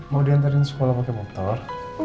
mau diantarin sekolah pakai motor